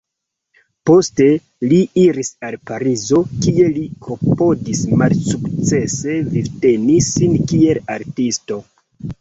Poste li iris al Parizo, kie li klopodis malsukcese vivteni sin kiel artisto.